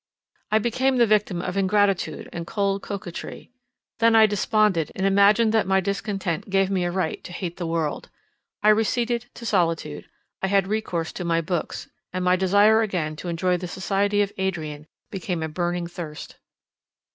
I became the victim of ingratitude and cold coquetry—then I desponded, and imagined that my discontent gave me a right to hate the world. I receded to solitude; I had recourse to my books, and my desire again to enjoy the society of Adrian became a burning thirst.